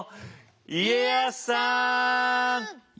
家康さん！